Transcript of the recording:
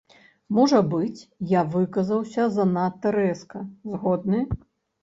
Можа быць, я выказаўся занадта рэзка, згодны.